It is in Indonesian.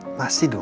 kamu masih nyimpen